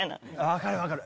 分かる分かる！